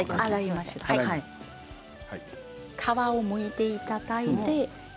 皮をむいていただいて。